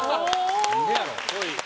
何でやろ。